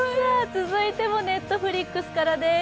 続いてもＮｅｔｆｌｉｘからです。